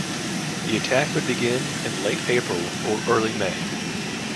The attack would begin in late April or early May.